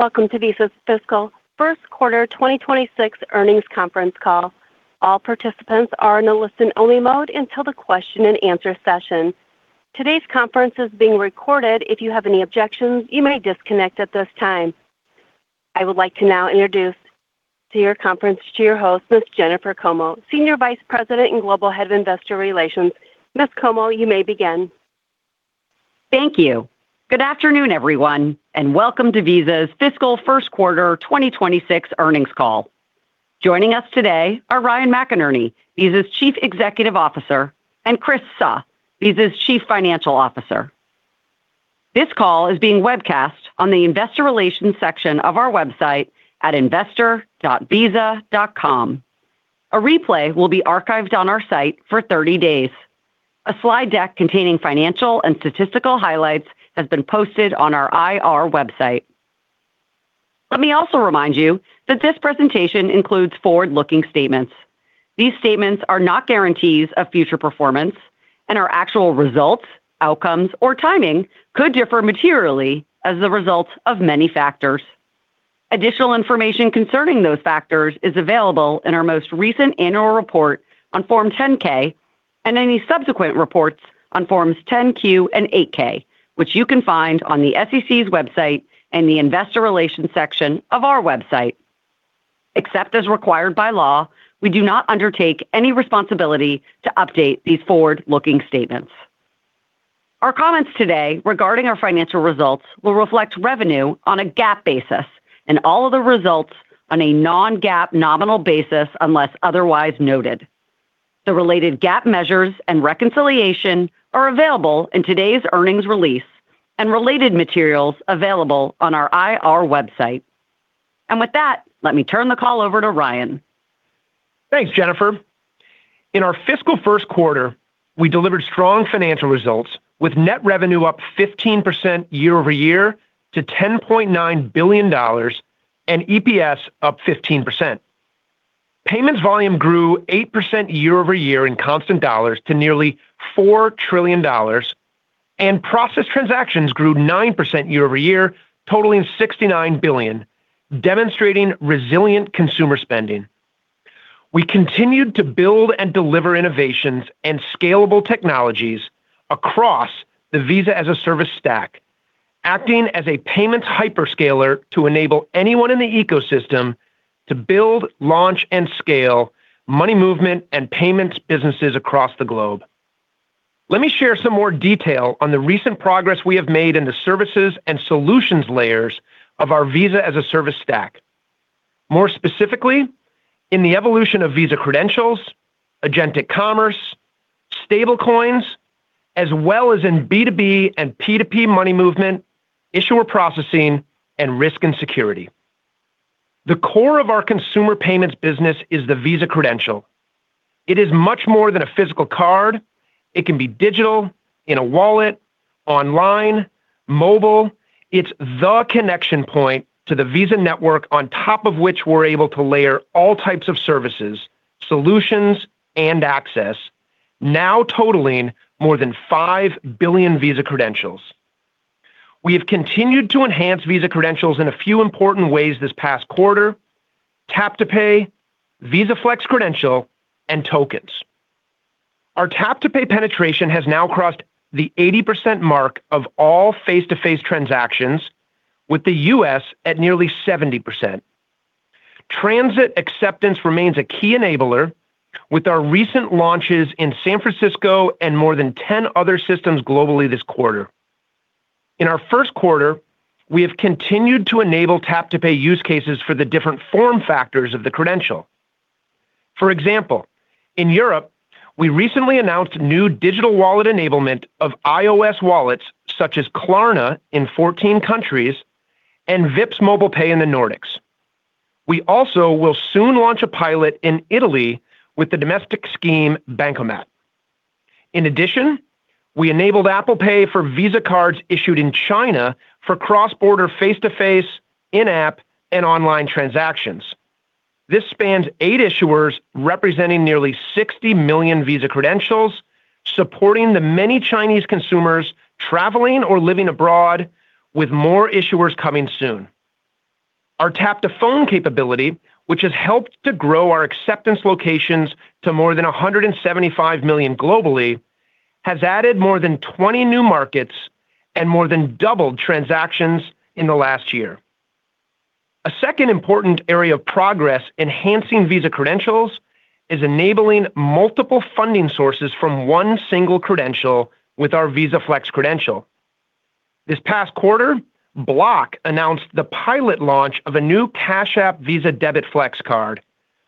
Welcome to Visa's Fiscal First Quarter 2026 Earnings Conference Call. All participants are in a listen-only mode until the question-and-answer session. Today's conference is being recorded. If you have any objections, you may disconnect at this time. I would like to now introduce to your conference to your host, Ms. Jennifer Como, Senior Vice President and Global Head of Investor Relations. Ms. Como, you may begin. Thank you. Good afternoon, everyone, and welcome to Visa's Fiscal First Quarter 2026 Earnings Call. Joining us today are Ryan McInerney, Visa's Chief Executive Officer, and Chris Suh, Visa's Chief Financial Officer. This call is being webcast on the Investor Relations section of our website at investor.visa.com. A replay will be archived on our site for 30 days. A slide deck containing financial and statistical highlights has been posted on our IR website. Let me also remind you that this presentation includes forward-looking statements. These statements are not guarantees of future performance, and our actual results, outcomes, or timing could differ materially as the result of many factors. Additional information concerning those factors is available in our most recent annual report on Form 10-K and any subsequent reports on Forms 10-Q and 8-K, which you can find on the SEC's website and the Investor Relations section of our website. Except as required by law, we do not undertake any responsibility to update these forward-looking statements. Our comments today regarding our financial results will reflect revenue on a GAAP basis and all other results on a non-GAAP nominal basis unless otherwise noted. The related GAAP measures and reconciliation are available in today's earnings release and related materials available on our IR website. With that, let me turn the call over to Ryan. Thanks, Jennifer. In our fiscal first quarter, we delivered strong financial results with net revenue up 15% year-over-year to $10.9 billion and EPS up 15%. Payments volume grew 8% year-over-year in constant dollars to nearly $4 trillion, and processed transactions grew 9% year-over-year, totaling $69 billion, demonstrating resilient consumer spending. We continued to build and deliver innovations and scalable technologies across the Visa as a Service stack, acting as a payments hyperscaler to enable anyone in the ecosystem to build, launch, and scale money movement and payments businesses across the globe. Let me share some more detail on the recent progress we have made in the services and solutions layers of our Visa as a Service stack, more specifically in the evolution of Visa credentials, agentic commerce, stablecoins, as well as in B2B and P2P money movement, issuer processing, and risk and security. The core of our consumer payments business is the Visa credential. It is much more than a physical card. It can be digital, in a wallet, online, mobile. It's the connection point to the Visa network on top of which we're able to layer all types of services, solutions, and access, now totaling more than 5 billion Visa credentials. We have continued to enhance Visa credentials in a few important ways this past quarter: tap-to-pay, Visa Flex credential, and tokens. Our tap-to-pay penetration has now crossed the 80% mark of all face-to-face transactions, with the U.S. at nearly 70%. Transit acceptance remains a key enabler, with our recent launches in San Francisco and more than 10 other systems globally this quarter. In our first quarter, we have continued to enable tap-to-pay use cases for the different form factors of the credential. For example, in Europe, we recently announced new digital wallet enablement of iOS wallets such as Klarna in 14 countries and Vipps MobilePay in the Nordics. We also will soon launch a pilot in Italy with the domestic scheme Bancomat. In addition, we enabled Apple Pay for Visa cards issued in China for cross-border face-to-face, in-app, and online transactions. This spans 8 issuers representing nearly 60 million Visa credentials, supporting the many Chinese consumers traveling or living abroad, with more issuers coming soon. Our Tap to Phone capability, which has helped to grow our acceptance locations to more than 175 million globally, has added more than 20 new markets and more than doubled transactions in the last year. A second important area of progress enhancing Visa credentials is enabling multiple funding sources from one single credential with our Visa Flex credential. This past quarter, Block announced the pilot launch of a new Cash App Visa Debit Flex card,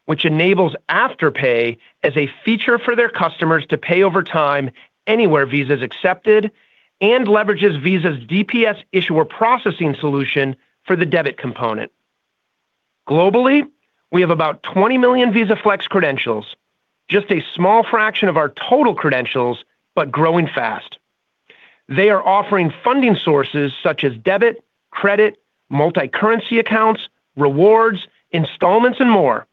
which enables Afterpay as a feature for their customers to pay over time anywhere Visa is accepted and leverages Visa's DPS issuer processing solution for the debit component. Globally, we have about 20 million Visa Flex credentials, just a small fraction of our total credentials, but growing fast. They are offering funding sources such as debit, credit, multi-currency accounts, rewards, installments, and more,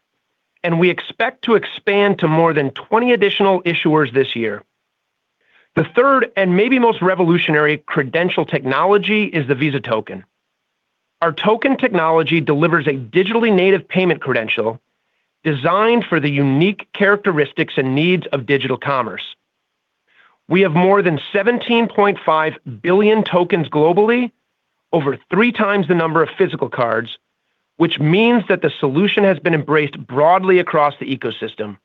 and we expect to expand to more than 20 additional issuers this year. The third and maybe most revolutionary credential technology is the Visa Token. Our token technology delivers a digitally native payment credential designed for the unique characteristics and needs of digital commerce. We have more than 17.5 billion tokens globally, over 3x the number of physical cards, which means that the solution has been embraced broadly across the ecosystem.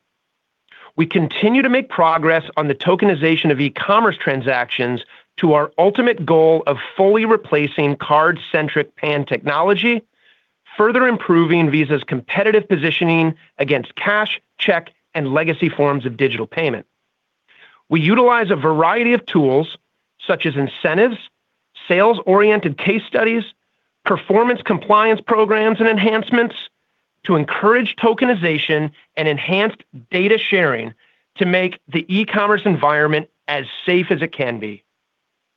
We continue to make progress on the tokenization of e-commerce transactions to our ultimate goal of fully replacing card-centric paying technology, further improving Visa's competitive positioning against cash, check, and legacy forms of digital payment. We utilize a variety of tools such as incentives, sales-oriented case studies, performance compliance programs, and enhancements to encourage tokenization and enhanced data sharing to make the e-commerce environment as safe as it can be.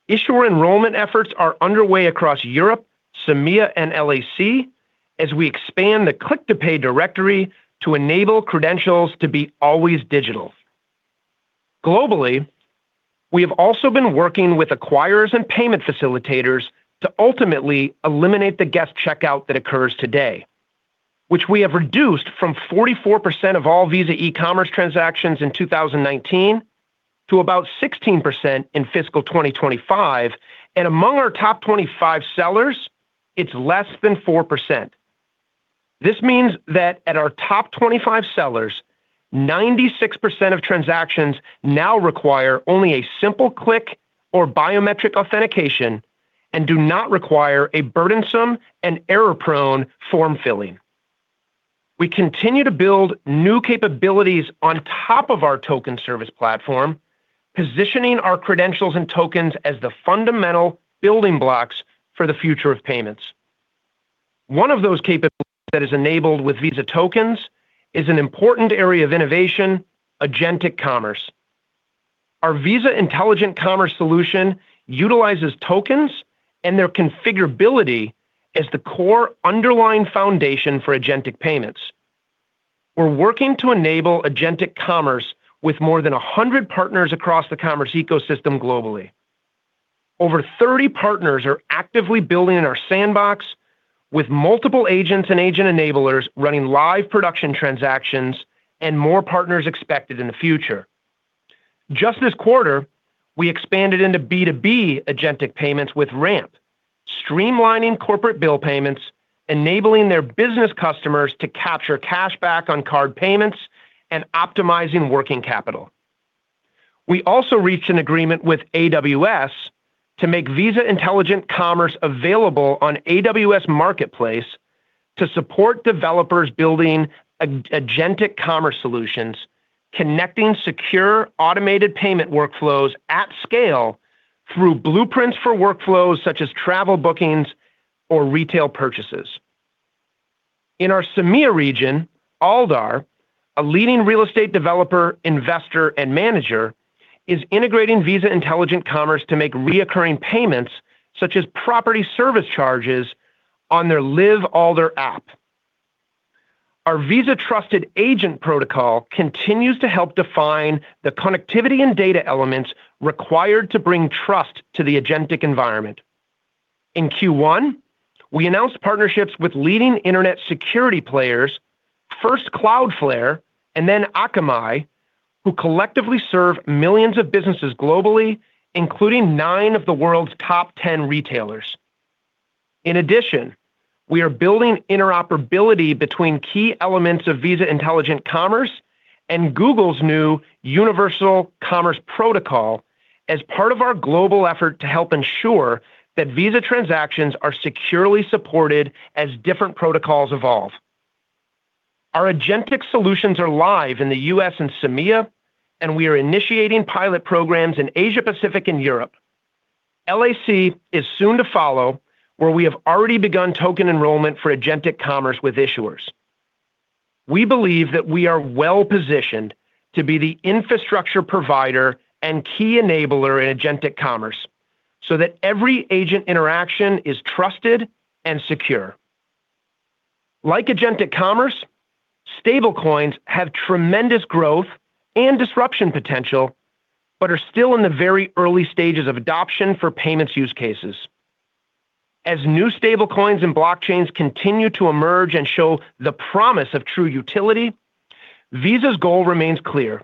Issuer enrollment efforts are underway across Europe, CEMEA, and LAC as we expand the Click to Pay directory to enable credentials to be always digital. Globally, we have also been working with acquirers and payment facilitators to ultimately eliminate the guest checkout that occurs today, which we have reduced from 44% of all Visa e-commerce transactions in 2019 to about 16% in fiscal 2025. Among our top 25 sellers, it's less than 4%. This means that at our top 25 sellers, 96% of transactions now require only a simple click or biometric authentication and do not require a burdensome and error-prone form-filling. We continue to build new capabilities on top of our token service platform, positioning our credentials and tokens as the fundamental building blocks for the future of payments. One of those capabilities that is enabled with Visa Tokens is an important area of innovation, agentic commerce. Our Visa Intelligent Commerce solution utilizes tokens and their configurability as the core underlying foundation for agentic payments. We're working to enable agentic commerce with more than 100 partners across the commerce ecosystem globally. Over 30 partners are actively building in our sandbox with multiple agents and agent enablers running live production transactions and more partners expected in the future. Just this quarter, we expanded into B2B agentic payments with Ramp, streamlining corporate bill payments, enabling their business customers to capture cash back on card payments, and optimizing working capital. We also reached an agreement with AWS to make Visa Intelligent Commerce available on AWS Marketplace to support developers building agentic commerce solutions, connecting secure automated payment workflows at scale through blueprints for workflows such as travel bookings or retail purchases. In our CEMEA region, Aldar, a leading real estate developer, investor, and manager, is integrating Visa Intelligent Commerce to make recurring payments such as property service charges on their Live Aldar app. Our Visa Trusted Agent Protocol continues to help define the connectivity and data elements required to bring trust to the agentic environment. In Q1, we announced partnerships with leading internet security players, first Cloudflare and then Akamai, who collectively serve millions of businesses globally, including nine of the world's top 10 retailers. In addition, we are building interoperability between key elements of Visa Intelligent Commerce and Google's new universal commerce protocol as part of our global effort to help ensure that Visa transactions are securely supported as different protocols evolve. Our agentic solutions are live in the U.S. and CEMEA, and we are initiating pilot programs in Asia Pacific and Europe. LAC is soon to follow, where we have already begun token enrollment for agentic commerce with issuers. We believe that we are well-positioned to be the infrastructure provider and key enabler in agentic commerce so that every agent interaction is trusted and secure. Like agentic commerce, stablecoins have tremendous growth and disruption potential, but are still in the very early stages of adoption for payments use cases. As new stablecoins and blockchains continue to emerge and show the promise of true utility, Visa's goal remains clear: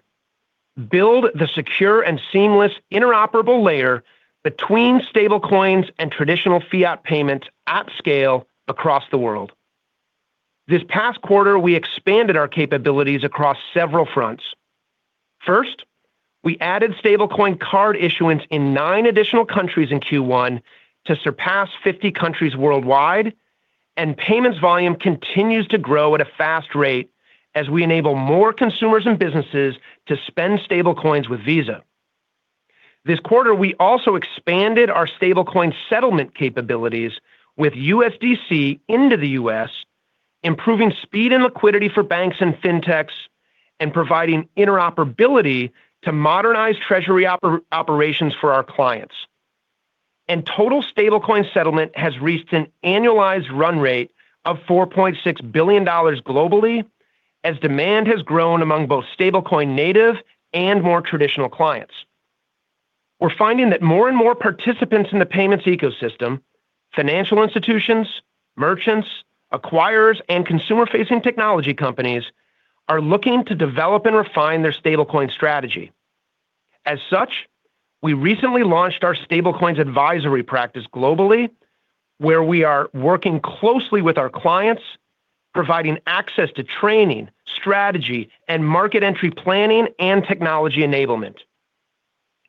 build the secure and seamless interoperable layer between stablecoins and traditional fiat payments at scale across the world. This past quarter, we expanded our capabilities across several fronts. First, we added stablecoin card issuance in nine additional countries in Q1 to surpass 50 countries worldwide, and payments volume continues to grow at a fast rate as we enable more consumers and businesses to spend stablecoins with Visa. This quarter, we also expanded our stablecoin settlement capabilities with USDC into the U.S., improving speed and liquidity for banks and fintechs, and providing interoperability to modernize treasury operations for our clients. Total stablecoin settlement has reached an annualized run rate of $4.6 billion globally as demand has grown among both stablecoin native and more traditional clients. We're finding that more and more participants in the payments ecosystem, financial institutions, merchants, acquirers, and consumer-facing technology companies are looking to develop and refine their stablecoin strategy. As such, we recently launched our stablecoins advisory practice globally, where we are working closely with our clients, providing access to training, strategy, and market entry planning and technology enablement.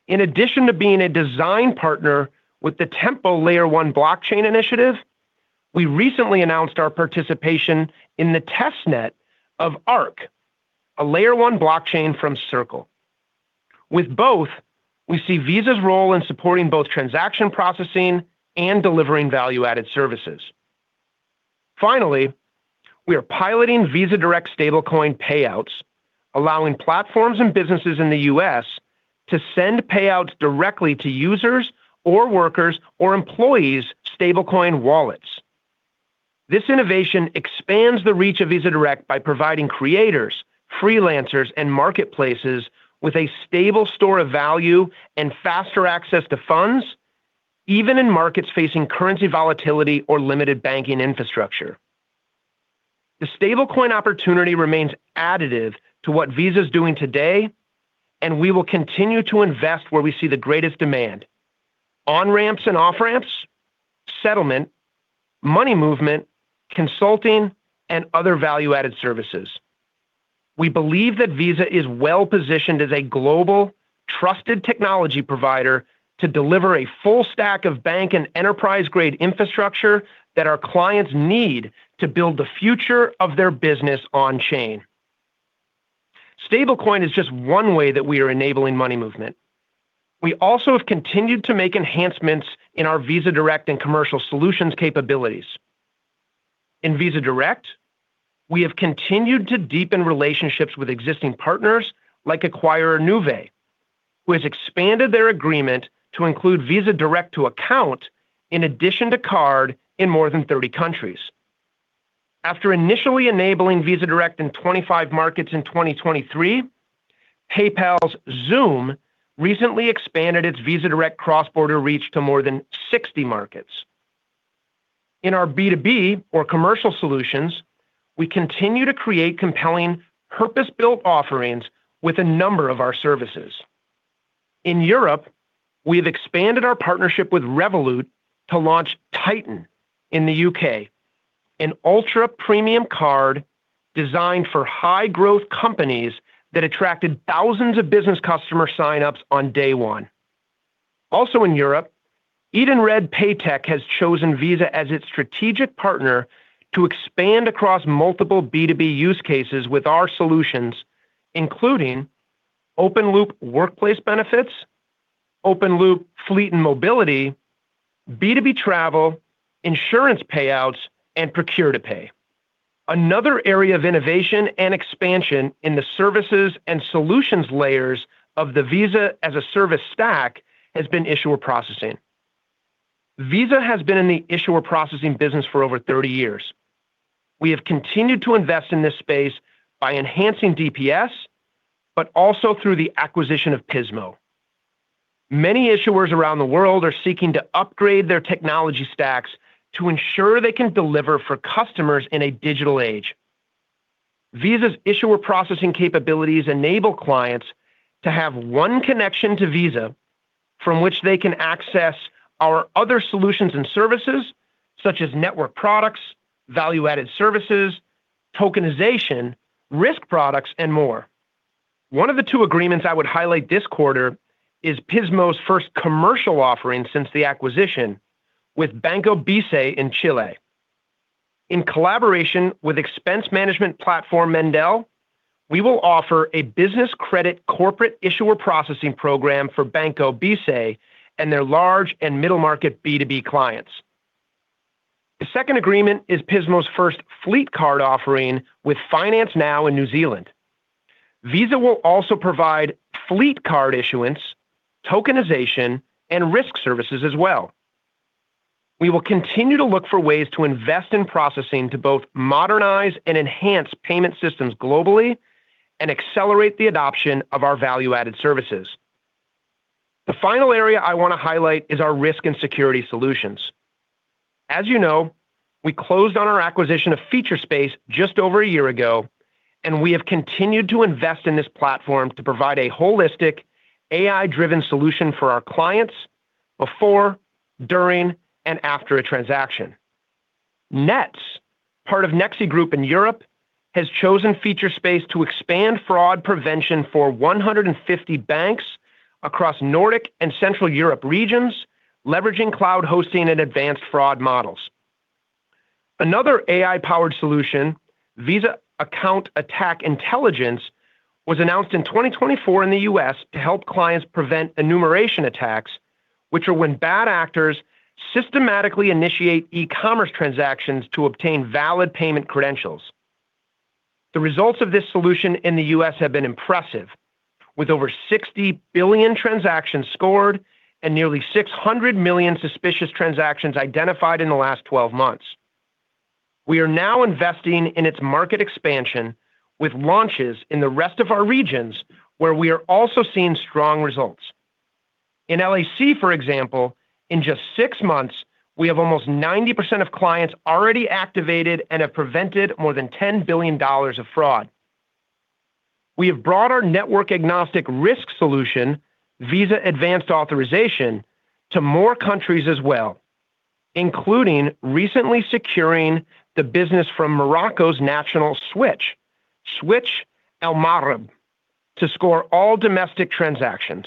In addition to being a design partner with the Tempo Layer 1 blockchain initiative, we recently announced our participation in the testnet of Arc, a Layer 1 blockchain from Circle. With both, we see Visa's role in supporting both transaction processing and delivering value-added services. Finally, we are piloting Visa Direct stablecoin payouts, allowing platforms and businesses in the U.S. to send payouts directly to users or workers or employees' stablecoin wallets. This innovation expands the reach of Visa Direct by providing creators, freelancers, and marketplaces with a stable store of value and faster access to funds, even in markets facing currency volatility or limited banking infrastructure. The stablecoin opportunity remains additive to what Visa is doing today, and we will continue to invest where we see the greatest demand: on-ramps and off-ramps, settlement, money movement, consulting, and other value-added services. We believe that Visa is well-positioned as a global, trusted technology provider to deliver a full stack of bank and enterprise-grade infrastructure that our clients need to build the future of their business on-chain. Stablecoin is just one way that we are enabling money movement. We also have continued to make enhancements in our Visa Direct and commercial solutions capabilities. In Visa Direct, we have continued to deepen relationships with existing partners like acquirer Nuvei, who has expanded their agreement to include Visa Direct to account in addition to card in more than 30 countries. After initially enabling Visa Direct in 25 markets in 2023, PayPal's Xoom recently expanded its Visa Direct cross-border reach to more than 60 markets. In our B2B or commercial solutions, we continue to create compelling purpose-built offerings with a number of our services. In Europe, we have expanded our partnership with Revolut to launch Titan in the U.K., an ultra-premium card designed for high-growth companies that attracted thousands of business customer signups on day one. Also in Europe, Edenred PayTech has chosen Visa as its strategic partner to expand across multiple B2B use cases with our solutions, including Open Loop Workplace Benefits, Open Loop Fleet and Mobility, B2B Travel, insurance payouts, and Procure-to-Pay. Another area of innovation and expansion in the services and solutions layers of the Visa as a service stack has been issuer processing. Visa has been in the issuer processing business for over 30 years. We have continued to invest in this space by enhancing DPS, but also through the acquisition of Pismo. Many issuers around the world are seeking to upgrade their technology stacks to ensure they can deliver for customers in a digital age. Visa's issuer processing capabilities enable clients to have one connection to Visa from which they can access our other solutions and services, such as network products, value-added services, tokenization, risk products, and more. One of the two agreements I would highlight this quarter is Pismo's first commercial offering since the acquisition with Banco BICE in Chile. In collaboration with expense management platform Mendel, we will offer a business credit corporate issuer processing program for Banco BICE and their large and middle-market B2B clients. The second agreement is Pismo's first fleet card offering with Finance Now in New Zealand. Visa will also provide fleet card issuance, tokenization, and risk services as well. We will continue to look for ways to invest in processing to both modernize and enhance payment systems globally and accelerate the adoption of our value-added services. The final area I want to highlight is our risk and security solutions. As you know, we closed on our acquisition of Featurespace just over a year ago, and we have continued to invest in this platform to provide a holistic, AI-driven solution for our clients before, during, and after a transaction. Nets, part of Nexi Group in Europe, has chosen Featurespace to expand fraud prevention for 150 banks across Nordic and Central Europe regions, leveraging cloud hosting and advanced fraud models. Another AI-powered solution, Visa Account Attack Intelligence, was announced in 2024 in the U.S. to help clients prevent enumeration attacks, which are when bad actors systematically initiate e-commerce transactions to obtain valid payment credentials. The results of this solution in the U.S. have been impressive, with over 60 billion transactions scored and nearly 600 million suspicious transactions identified in the last 12 months. We are now investing in its market expansion with launches in the rest of our regions, where we are also seeing strong results. In LAC, for example, in just six months, we have almost 90% of clients already activated and have prevented more than $10 billion of fraud. We have brought our network-agnostic risk solution, Visa Advanced Authorization, to more countries as well, including recently securing the business from Morocco's national switch, Switch Al Maghrib, to score all domestic transactions.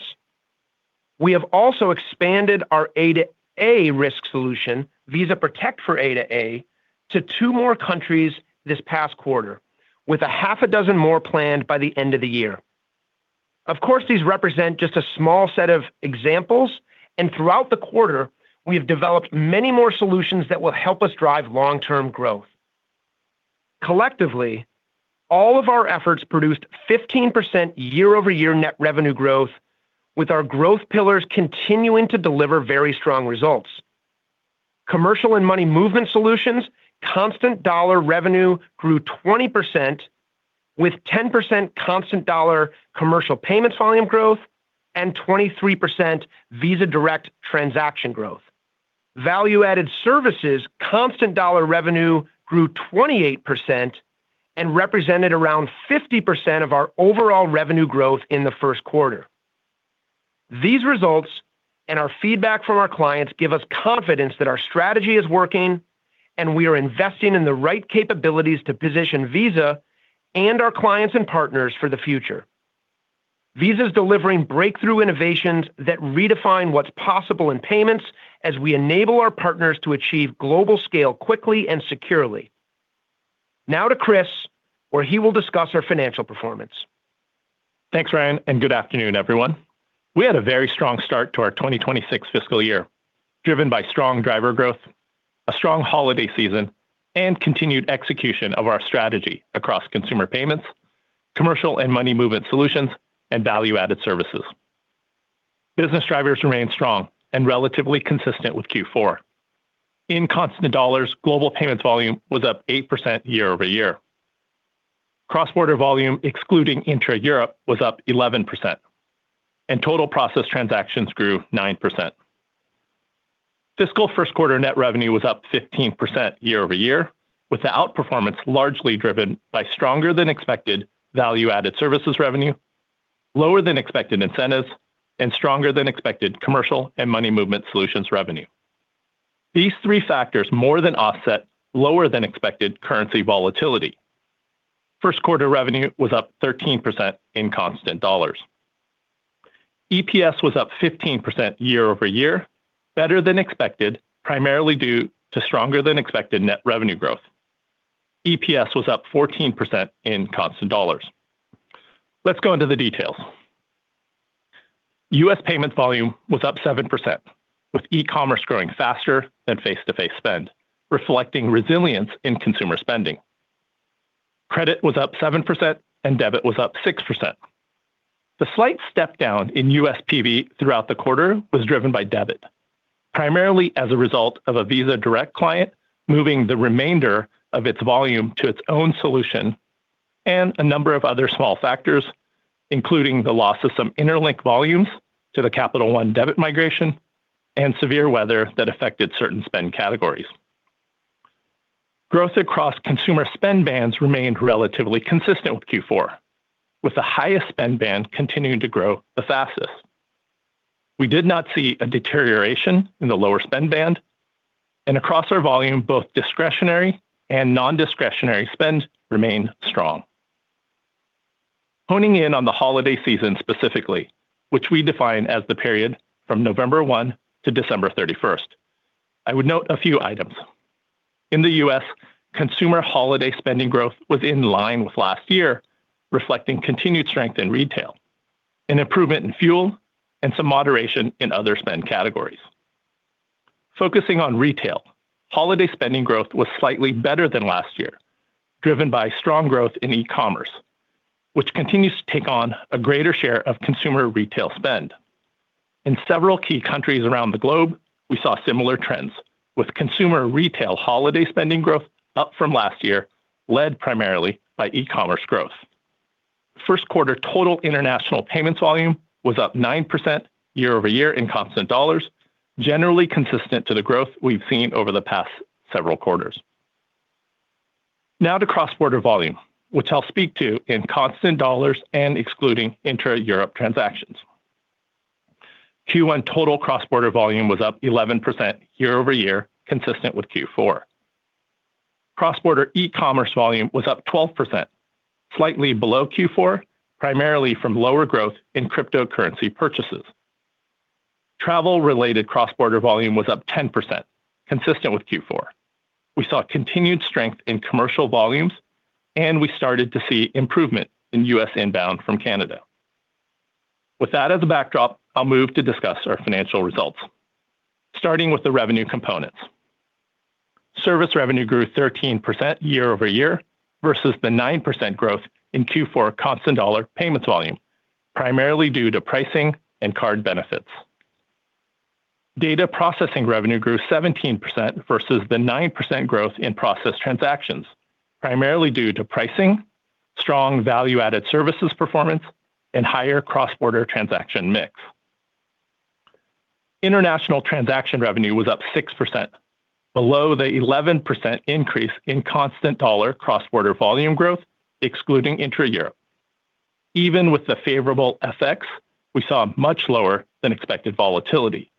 We have also expanded our A2A risk solution, Visa Protect for A2A, to two more countries this past quarter, with a half a dozen more planned by the end of the year. Of course, these represent just a small set of examples, and throughout the quarter, we have developed many more solutions that will help us drive long-term growth. Collectively, all of our efforts produced 15% year-over-year net revenue growth, with our growth pillars continuing to deliver very strong results. Commercial and money movement solutions, constant dollar revenue grew 20%, with 10% constant dollar commercial payments volume growth and 23% Visa Direct transaction growth. Value-added services, constant dollar revenue grew 28% and represented around 50% of our overall revenue growth in the first quarter. These results and our feedback from our clients give us confidence that our strategy is working and we are investing in the right capabilities to position Visa and our clients and partners for the future. Visa is delivering breakthrough innovations that redefine what's possible in payments as we enable our partners to achieve global scale quickly and securely. Now to Chris, where he will discuss our financial performance. Thanks, Ryan, and good afternoon, everyone. We had a very strong start to our 2026 fiscal year, driven by strong driver growth, a strong holiday season, and continued execution of our strategy across consumer payments, commercial and money movement solutions, and value-added services. Business drivers remained strong and relatively consistent with Q4. In constant dollars, global payments volume was up 8% year-over-year. Cross-border volume, excluding intra-Europe, was up 11%, and total process transactions grew 9%. Fiscal first-quarter net revenue was up 15% year-over-year, with the outperformance largely driven by stronger-than-expected value-added services revenue, lower-than-expected incentives, and stronger-than-expected commercial and money movement solutions revenue. These three factors more than offset lower-than-expected currency volatility. First-quarter revenue was up 13% in constant dollars. EPS was up 15% year-over-year, better-than-expected, primarily due to stronger-than-expected net revenue growth. EPS was up 14% in constant dollars. Let's go into the details. U.S. payments volume was up 7%, with e-commerce growing faster than face-to-face spend, reflecting resilience in consumer spending. Credit was up 7%, and debit was up 6%. The slight step down in U.S. PV throughout the quarter was driven by debit, primarily as a result of a Visa Direct client moving the remainder of its volume to its own solution and a number of other small factors, including the loss of some Interlink volumes to the Capital One debit migration and severe weather that affected certain spend categories. Growth across consumer spend bands remained relatively consistent with Q4, with the highest spend band continuing to grow the fastest. We did not see a deterioration in the lower spend band, and across our volume, both discretionary and non-discretionary spend remained strong. Honing in on the holiday season specifically, which we define as the period from November 1 to December 31st, I would note a few items. In the U.S., consumer holiday spending growth was in line with last year, reflecting continued strength in retail, an improvement in fuel, and some moderation in other spend categories. Focusing on retail, holiday spending growth was slightly better than last year, driven by strong growth in e-commerce, which continues to take on a greater share of consumer retail spend. In several key countries around the globe, we saw similar trends, with consumer retail holiday spending growth up from last year, led primarily by e-commerce growth. First quarter total international payments volume was up 9% year-over-year in constant dollars, generally consistent to the growth we've seen over the past several quarters. Now to cross-border volume, which I'll speak to in constant dollars and excluding intra-Europe transactions. Q1 total cross-border volume was up 11% year-over-year, consistent with Q4. Cross-border e-commerce volume was up 12%, slightly below Q4, primarily from lower growth in cryptocurrency purchases. Travel-related cross-border volume was up 10%, consistent with Q4. We saw continued strength in commercial volumes, and we started to see improvement in U.S. inbound from Canada. With that as a backdrop, I'll move to discuss our financial results, starting with the revenue components. Service revenue grew 13% year-over-year versus the 9% growth in Q4 constant dollar payments volume, primarily due to pricing and card benefits. Data processing revenue grew 17% versus the 9% growth in process transactions, primarily due to pricing, strong value-added services performance, and higher cross-border transaction mix. International transaction revenue was up 6%, below the 11% increase in constant dollar cross-border volume growth, excluding intra-Europe. Even with the favorable FX, we saw much lower-than-expected volatility,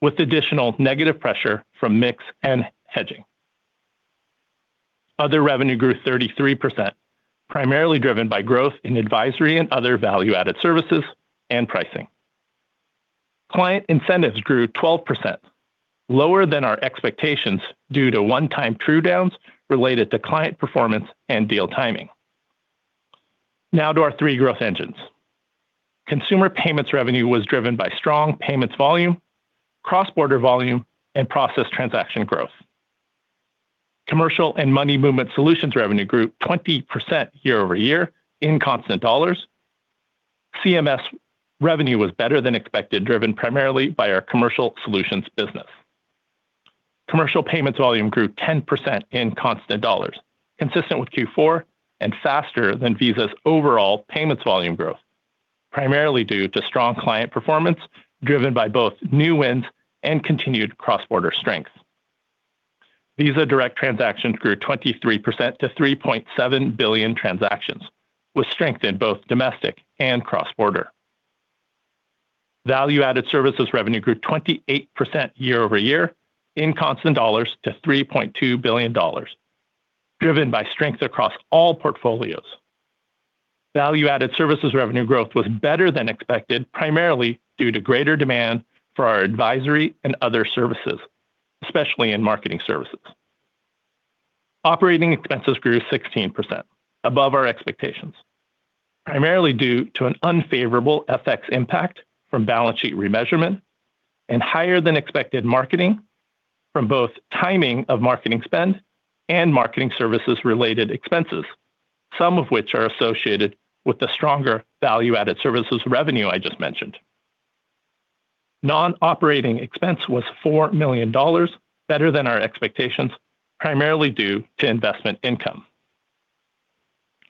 with additional negative pressure from mix and hedging. Other revenue grew 33%, primarily driven by growth in advisory and other value-added services and pricing. Client incentives grew 12%, lower than our expectations due to one-time write-downs related to client performance and deal timing. Now to our three growth engines. Consumer payments revenue was driven by strong payments volume, cross-border volume, and processed transaction growth. Commercial and money movement solutions revenue grew 20% year-over-year in constant dollars. CMS revenue was better-than-expected, driven primarily by our commercial solutions business. Commercial payments volume grew 10% in constant dollars, consistent with Q4 and faster than Visa's overall payments volume growth, primarily due to strong client performance driven by both new wins and continued cross-border strength. Visa Direct transactions grew 23% to 3.7 billion transactions, with strength in both domestic and cross-border. Value-added services revenue grew 28% year-over-year in constant dollars to $3.2 billion, driven by strength across all portfolios. Value-added services revenue growth was better-than-expected, primarily due to greater demand for our advisory and other services, especially in marketing services. Operating expenses grew 16%, above our expectations, primarily due to an unfavorable FX impact from balance sheet remeasurement and higher-than-expected marketing from both timing of marketing spend and marketing services-related expenses, some of which are associated with the stronger value-added services revenue I just mentioned. Non-operating expense was $4 million, better than our expectations, primarily due to investment income.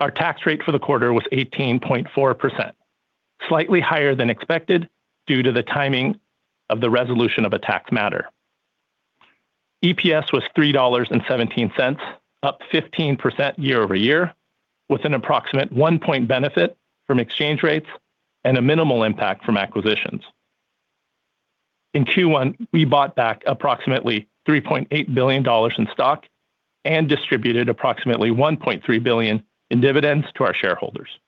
Our tax rate for the quarter was 18.4%, slightly higher-than-expected due to the timing of the resolution of a tax matter. EPS was $3.17, up 15% year-over-year, with an approximate one-point benefit from exchange rates and a minimal impact from acquisitions. In Q1, we bought back approximately $3.8 billion in stock and distributed approximately $1.3 billion in dividends to our shareholders.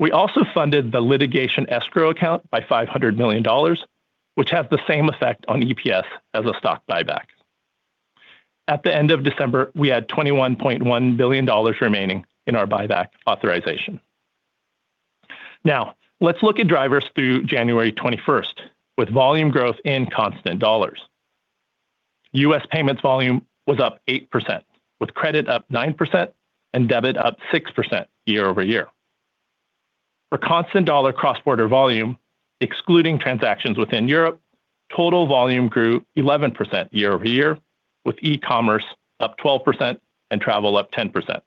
We also funded the litigation escrow account by $500 million, which has the same effect on EPS as a stock buyback. At the end of December, we had $21.1 billion remaining in our buyback authorization. Now, let's look at drivers through January 21, with volume growth in constant dollars. U.S. payments volume was up 8%, with credit up 9% and debit up 6% year-over-year. For constant dollar cross-border volume, excluding transactions within Europe, total volume grew 11% year-over-year, with e-commerce up 12% and travel up 10%.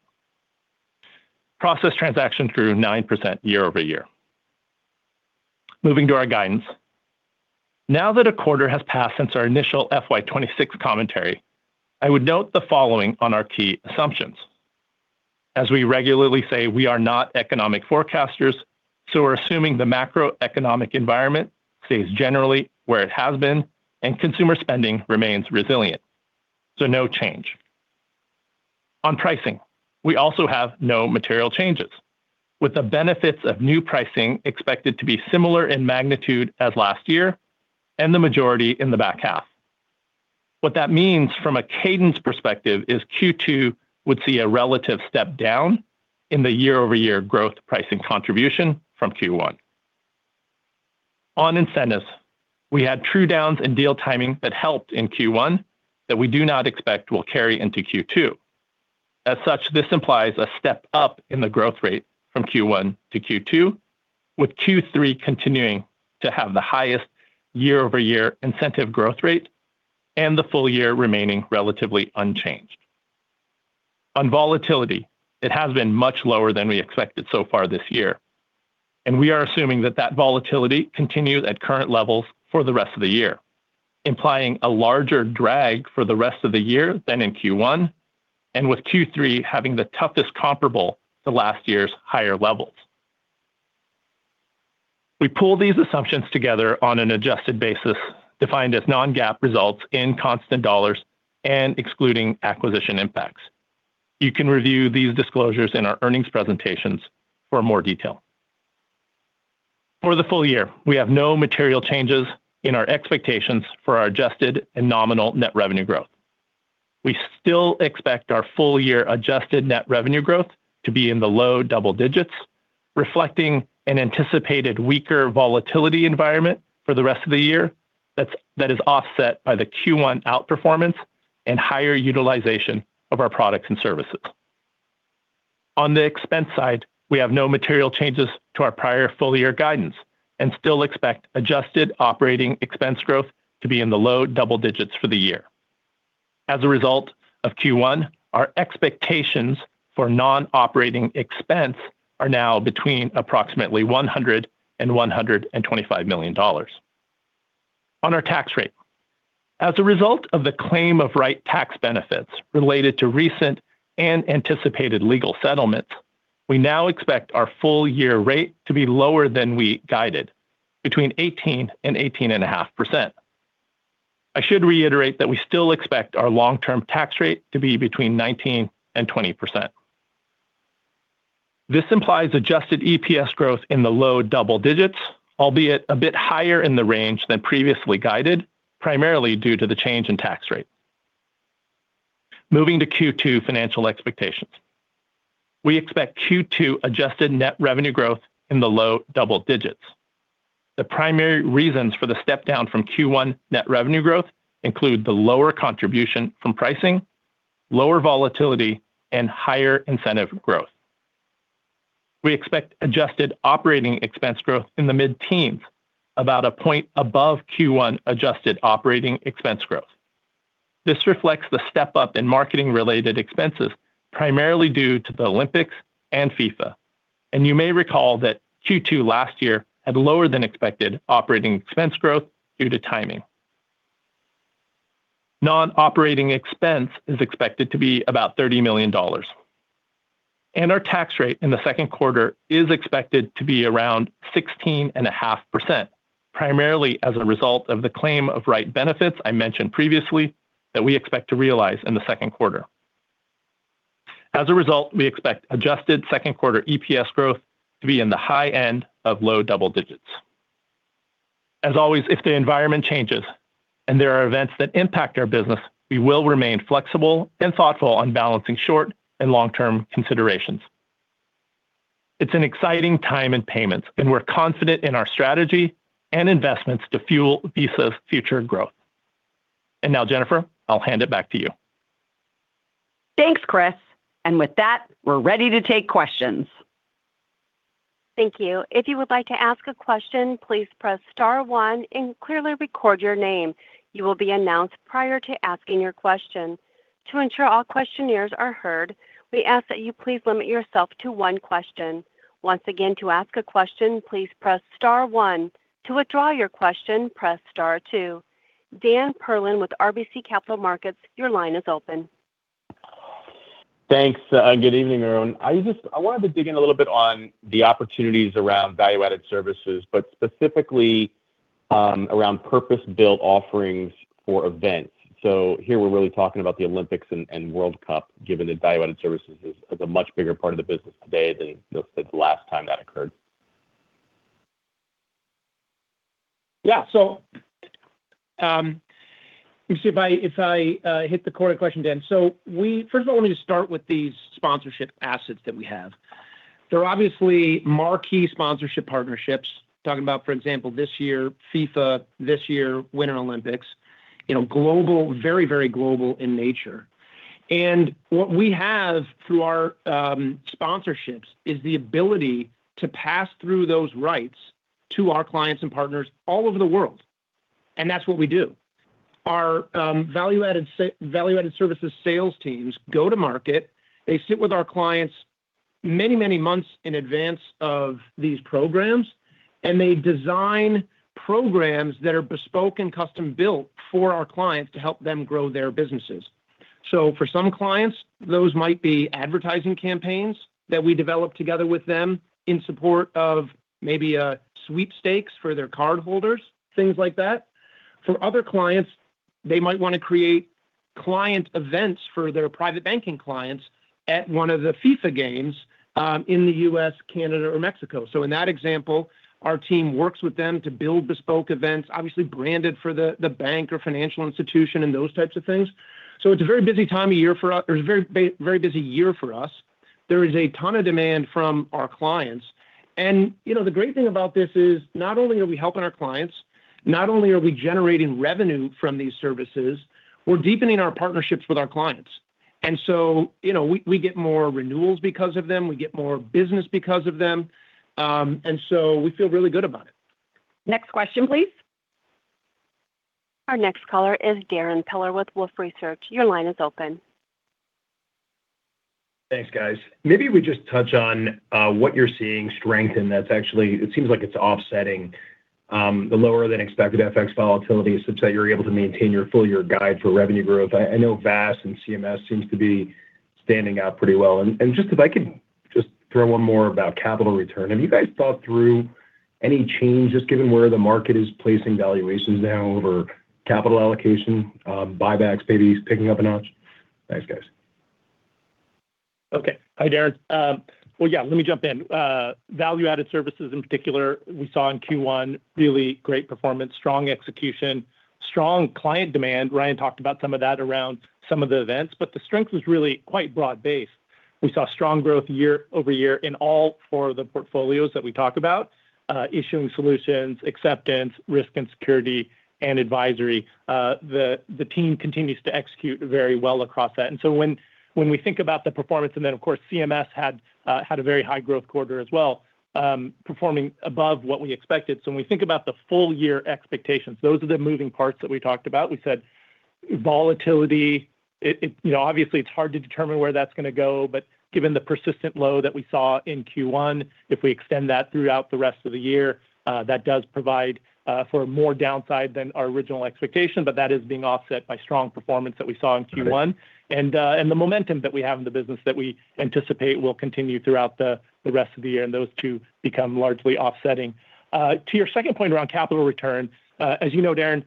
Processed transactions grew 9% year-over-year. Moving to our guidance. Now that a quarter has passed since our initial FY 2026 commentary, I would note the following on our key assumptions. As we regularly say, we are not economic forecasters, so we're assuming the macroeconomic environment stays generally where it has been and consumer spending remains resilient, so no change. On pricing, we also have no material changes, with the benefits of new pricing expected to be similar in magnitude as last year and the majority in the back half. What that means from a cadence perspective is Q2 would see a relative step down in the year-over-year growth pricing contribution from Q1. On incentives, we had true downs in deal timing that helped in Q1 that we do not expect will carry into Q2. As such, this implies a step up in the growth rate from Q1-Q2, with Q3 continuing to have the highest year-over-year incentive growth rate and the full year remaining relatively unchanged. On volatility, it has been much lower than we expected so far this year, and we are assuming that that volatility continues at current levels for the rest of the year, implying a larger drag for the rest of the year than in Q1, and with Q3 having the toughest comparable to last year's higher levels. We pull these assumptions together on an adjusted basis defined as non-GAAP results in constant dollars and excluding acquisition impacts. You can review these disclosures in our earnings presentations for more detail. For the full year, we have no material changes in our expectations for our adjusted and nominal net revenue growth. We still expect our full-year adjusted net revenue growth to be in the low double digits, reflecting an anticipated weaker volatility environment for the rest of the year that is offset by the Q1 outperformance and higher utilization of our products and services. On the expense side, we have no material changes to our prior full-year guidance and still expect adjusted operating expense growth to be in the low double digits for the year. As a result of Q1, our expectations for non-operating expense are now between approximately $100 million and $125 million. On our tax rate, as a result of the claim of right tax benefits related to recent and anticipated legal settlements, we now expect our full-year rate to be lower than we guided, between 18%-18.5%. I should reiterate that we still expect our long-term tax rate to be between 19%-20%. This implies adjusted EPS growth in the low double digits, albeit a bit higher in the range than previously guided, primarily due to the change in tax rate. Moving to Q2 financial expectations, we expect Q2 adjusted net revenue growth in the low double digits. The primary reasons for the step down from Q1 net revenue growth include the lower contribution from pricing, lower volatility, and higher incentive growth. We expect adjusted operating expense growth in the mid-teens, about a point above Q1 adjusted operating expense growth. This reflects the step up in marketing-related expenses, primarily due to the Olympics and FIFA, and you may recall that Q2 last year had lower-than-expected operating expense growth due to timing. Non-operating expense is expected to be about $30 million, and our tax rate in the second quarter is expected to be around 16.5%, primarily as a result of the claim of right benefits I mentioned previously that we expect to realize in the second quarter. As a result, we expect adjusted second-quarter EPS growth to be in the high end of low double digits. As always, if the environment changes and there are events that impact our business, we will remain flexible and thoughtful on balancing short and long-term considerations. It's an exciting time in payments, and we're confident in our strategy and investments to fuel Visa's future growth. And now, Jennifer, I'll hand it back to you. Thanks, Chris. And with that, we're ready to take questions. Thank you. If you would like to ask a question, please press star one and clearly record your name. You will be announced prior to asking your question. To ensure all questions are heard, we ask that you please limit yourself to one question. Once again, to ask a question, please press star one. To withdraw your question, press star two. Dan Perlin with RBC Capital Markets, your line is open. Thanks. Good evening, everyone. I wanted to dig in a little bit on the opportunities around value-added services, but specifically around purpose-built offerings for events. So here, we're really talking about the Olympics and World Cup, given that value-added services is a much bigger part of the business today than the last time that occurred. Yeah. So let me see if I hit the core of the question, Dan. So first of all, let me just start with these sponsorship assets that we have. They're obviously marquee sponsorship partnerships, talking about, for example, this year, FIFA, this year, Winter Olympics, global, very, very global in nature. What we have through our sponsorships is the ability to pass through those rights to our clients and partners all over the world. That's what we do. Our value-added services sales teams go to market. They sit with our clients many, many months in advance of these programs, and they design programs that are bespoke and custom-built for our clients to help them grow their businesses. So for some clients, those might be advertising campaigns that we develop together with them in support of maybe sweepstakes for their cardholders, things like that. For other clients, they might want to create client events for their private banking clients at one of the FIFA games in the U.S., Canada, or Mexico. So in that example, our team works with them to build bespoke events, obviously branded for the bank or financial institution and those types of things. So it's a very busy time of year for us. There's a very busy year for us. There is a ton of demand from our clients. And the great thing about this is not only are we helping our clients, not only are we generating revenue from these services, we're deepening our partnerships with our clients. And so we get more renewals because of them. We get more business because of them. And so we feel really good about it. Next question, please. Our next caller is Darrin Peller with Wolfe Research. Your line is open. Thanks, guys. Maybe we just touch on what you're seeing strengthen. It seems like it's offsetting the lower-than-expected FX volatility such that you're able to maintain your full-year guide for revenue growth. I know VAS and CMS seems to be standing out pretty well. And just if I could just throw one more about capital return, have you guys thought through any change, just given where the market is placing valuations now over capital allocation, buybacks, maybe picking up a notch? Thanks, guys. Okay. Hi, Darren. Well, yeah, let me jump in. Value-added services in particular, we saw in Q1 really great performance, strong execution, strong client demand. Ryan talked about some of that around some of the events, but the strength was really quite broad-based. We saw strong growth year-over-year in all four of the portfolios that we talk about: issuing solutions, acceptance, risk and security, and advisory. The team continues to execute very well across that. When we think about the performance, and then, of course, CMS had a very high growth quarter as well, performing above what we expected. So when we think about the full-year expectations, those are the moving parts that we talked about. We said volatility. Obviously, it's hard to determine where that's going to go, but given the persistent low that we saw in Q1, if we extend that throughout the rest of the year, that does provide for more downside than our original expectation, but that is being offset by strong performance that we saw in Q1 and the momentum that we have in the business that we anticipate will continue throughout the rest of the year, and those two become largely offsetting. To your second point around capital return, as you know, Darren,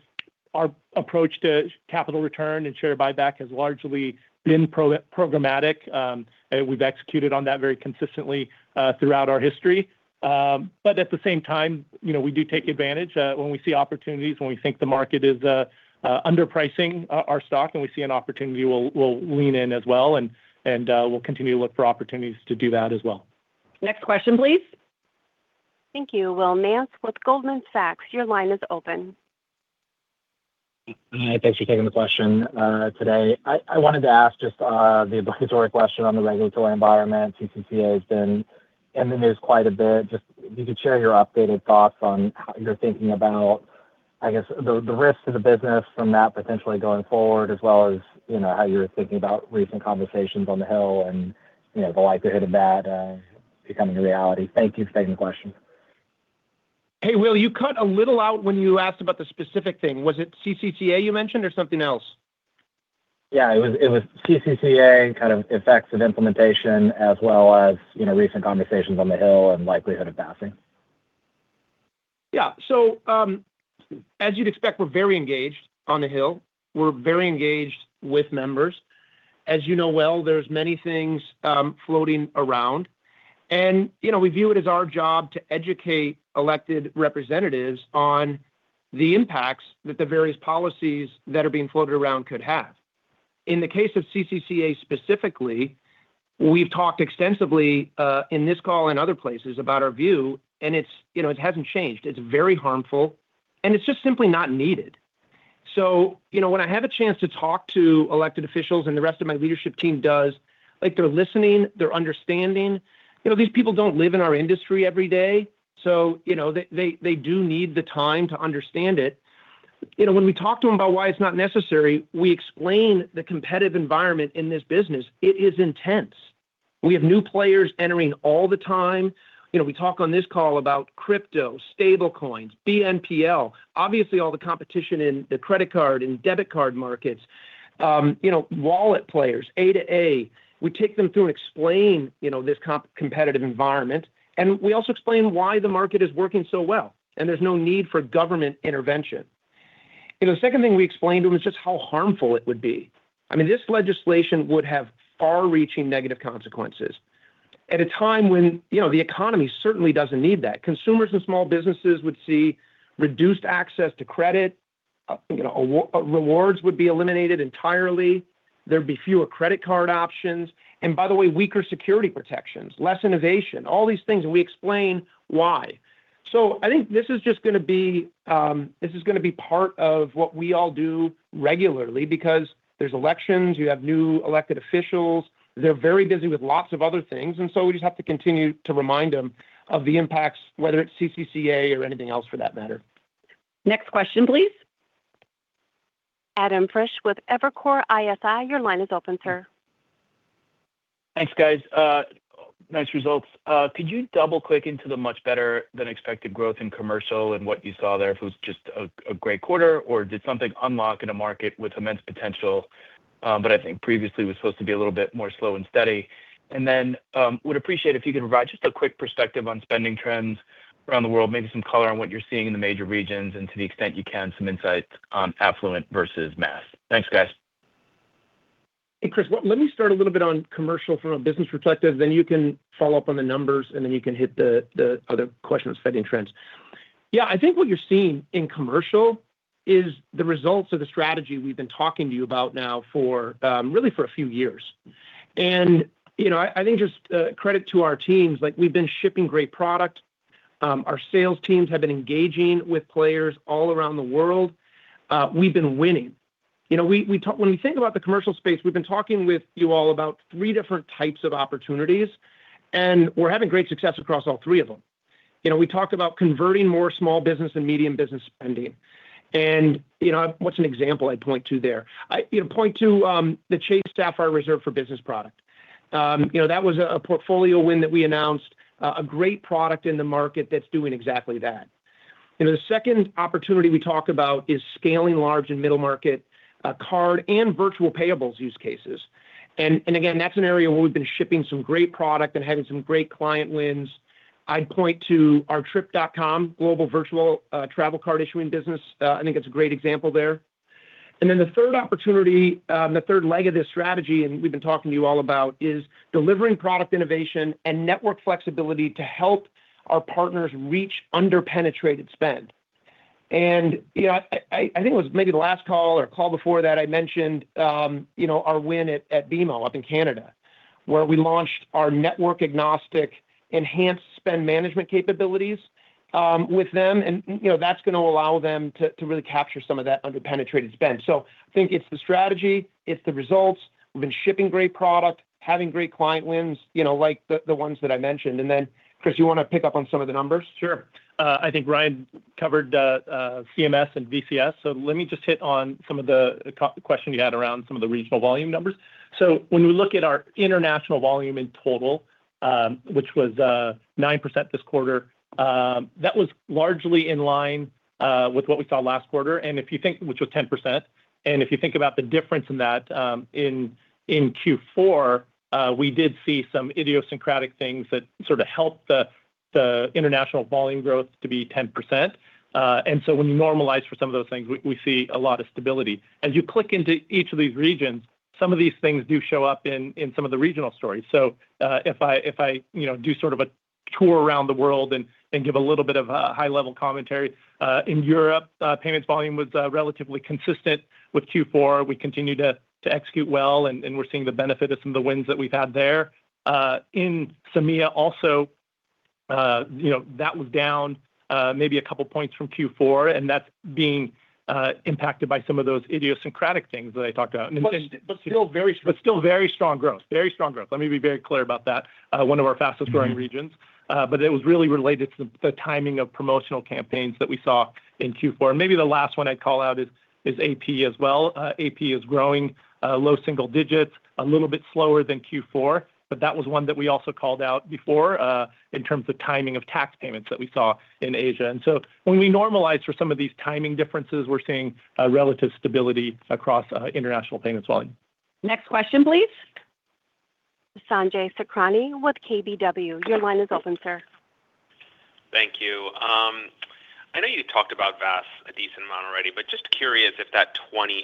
our approach to capital return and share buyback has largely been programmatic. We've executed on that very consistently throughout our history. But at the same time, we do take advantage. When we see opportunities, when we think the market is underpricing our stock and we see an opportunity, we'll lean in as well, and we'll continue to look for opportunities to do that as well. Next question, please. Thank you. Will Nance with Goldman Sachs, your line is open. Hi. Thanks for taking the question today. I wanted to ask just the obligatory question on the regulatory environment. CCCA has been in the news quite a bit. Just if you could share your updated thoughts on how you're thinking about, I guess, the risks to the business from that potentially going forward, as well as how you're thinking about recent conversations on the Hill and the likelihood of that becoming a reality. Thank you for taking the question. Hey, Will, you cut a little out when you asked about the specific thing. Was it CCCA you mentioned or something else? Yeah. It was CCCA, kind of effects of implementation, as well as recent conversations on the Hill and likelihood of passing. Yeah. So as you'd expect, we're very engaged on the Hill. We're very engaged with members. As you know well, there's many things floating around, and we view it as our job to educate elected representatives on the impacts that the various policies that are being floated around could have. In the case of CCCA specifically, we've talked extensively in this call and other places about our view, and it hasn't changed. It's very harmful, and it's just simply not needed. So when I have a chance to talk to elected officials and the rest of my leadership team does, they're listening. They're understanding. These people don't live in our industry every day, so they do need the time to understand it. When we talk to them about why it's not necessary, we explain the competitive environment in this business. It is intense. We have new players entering all the time. We talk on this call about crypto, stablecoins, BNPL, obviously all the competition in the credit card and debit card markets, wallet players, A to A. We take them through and explain this competitive environment, and we also explain why the market is working so well and there's no need for government intervention. The second thing we explain to them is just how harmful it would be. I mean, this legislation would have far-reaching negative consequences at a time when the economy certainly doesn't need that. Consumers and small businesses would see reduced access to credit. Rewards would be eliminated entirely. There'd be fewer credit card options. And by the way, weaker security protections, less innovation, all these things, and we explain why. So I think this is just going to be part of what we all do regularly because there's elections. You have new elected officials. They're very busy with lots of other things, and so we just have to continue to remind them of the impacts, whether it's CCCA or anything else for that matter. Next question, please. Adam Frisch with Evercore ISI. Your line is open, sir. Thanks, guys. Nice results. Could you double-click into the much better-than-expected growth in commercial and what you saw there? If it was just a great quarter, or did something unlock in a market with immense potential, but I think previously was supposed to be a little bit more slow and steady? And then would appreciate if you could provide just a quick perspective on spending trends around the world, maybe some color on what you're seeing in the major regions and, to the extent you can, some insights on affluent versus mass. Thanks, guys. Hey, Chris, let me start a little bit on commercial from a business perspective, then you can follow up on the numbers, and then you can hit the other questions, spending trends. Yeah. I think what you're seeing in commercial is the results of the strategy we've been talking to you about now for really for a few years. And I think just credit to our teams. We've been shipping great product. Our sales teams have been engaging with players all around the world. We've been winning. When we think about the commercial space, we've been talking with you all about three different types of opportunities, and we're having great success across all three of them. We talk about converting more small business and medium business spending. And what's an example I'd point to there? Point to the Chase Sapphire Reserve for Business product. That was a portfolio win that we announced, a great product in the market that's doing exactly that. The second opportunity we talk about is scaling large and middle-market card and virtual payables use cases. And again, that's an area where we've been shipping some great product and having some great client wins. I'd point to our Trip.com global virtual travel card issuing business. I think it's a great example there. And then the third opportunity, the third leg of this strategy, and we've been talking to you all about, is delivering product innovation and network flexibility to help our partners reach underpenetrated spend. And I think it was maybe the last call or call before that I mentioned our win at BMO up in Canada, where we launched our network-agnostic enhanced spend management capabilities with them, and that's going to allow them to really capture some of that underpenetrated spend. So I think it's the strategy. It's the results. We've been shipping great product, having great client wins like the ones that I mentioned. And then, Chris, you want to pick up on some of the numbers? Sure. I think Ryan covered CMS and VCS, so let me just hit on some of the questions you had around some of the regional volume numbers. When we look at our international volume in total, which was 9% this quarter, that was largely in line with what we saw last quarter, which was 10%. If you think about the difference in that, in Q4, we did see some idiosyncratic things that sort of helped the international volume growth to be 10%. When you normalize for some of those things, we see a lot of stability. As you click into each of these regions, some of these things do show up in some of the regional stories. If I do sort of a tour around the world and give a little bit of high-level commentary, in Europe, payments volume was relatively consistent with Q4. We continued to execute well, and we're seeing the benefit of some of the wins that we've had there. In CEMEA also, that was down maybe a couple of points from Q4, and that's being impacted by some of those idiosyncratic things that I talked about. But still very strong growth. But still very strong growth. Very strong growth. Let me be very clear about that. One of our fastest-growing regions, but it was really related to the timing of promotional campaigns that we saw in Q4. And maybe the last one I'd call out is AP as well. AP is growing low single digits, a little bit slower than Q4, but that was one that we also called out before in terms of timing of tax payments that we saw in Asia. And so when we normalize for some of these timing differences, we're seeing relative stability across international payments volume. Next question, please. Sanjay Sakhrani with KBW. Your line is open, sir. Thank you. I know you talked about VAS a decent amount already, but just curious if that 28%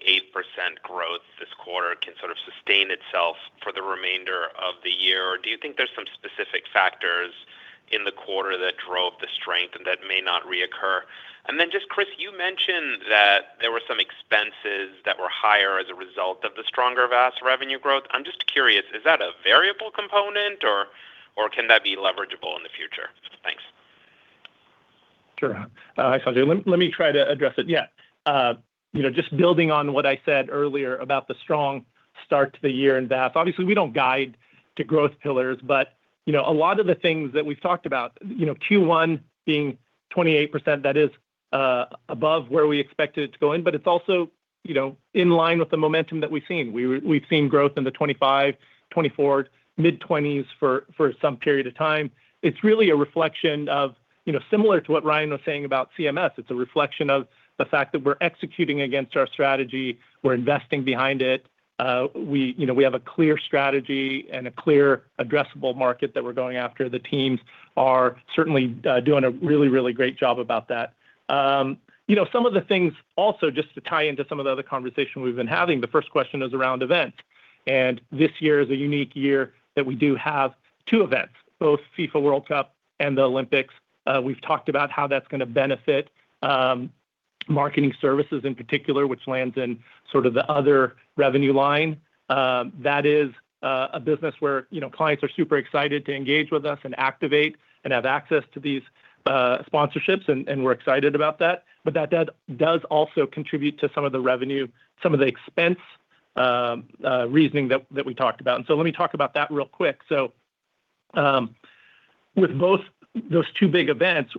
growth this quarter can sort of sustain itself for the remainder of the year. Do you think there's some specific factors in the quarter that drove the strength and that may not reoccur? And then just, Chris, you mentioned that there were some expenses that were higher as a result of the stronger VAS revenue growth. I'm just curious, is that a variable component, or can that be leverageable in the future? Thanks. Sure. Hi, Sanjay. Let me try to address it. Yeah. Just building on what I said earlier about the strong start to the year in VAS. Obviously, we don't guide to growth pillars, but a lot of the things that we've talked about, Q1 being 28%, that is above where we expected it to go in, but it's also in line with the momentum that we've seen. We've seen growth in the 25%, 24%, mid-20%s for some period of time. It's really a reflection of similar to what Ryan was saying about CMS. It's a reflection of the fact that we're executing against our strategy. We're investing behind it. We have a clear strategy and a clear addressable market that we're going after. The teams are certainly doing a really, really great job about that. Some of the things also, just to tie into some of the other conversation we've been having, the first question is around events. This year is a unique year that we do have 2 events, both FIFA World Cup and the Olympics. We've talked about how that's going to benefit marketing services in particular, which lands in sort of the other revenue line. That is a business where clients are super excited to engage with us and activate and have access to these sponsorships, and we're excited about that. That does also contribute to some of the revenue, some of the expense reasoning that we talked about. Let me talk about that real quick. With both those 2 big events,